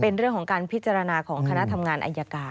เป็นเรื่องของการพิจารณาของคณะทำงานอายการ